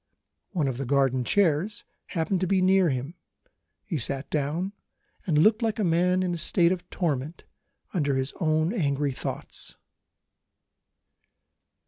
One of the garden chairs happened to be near him; he sat down, and looked like a man in a state of torment under his own angry thoughts.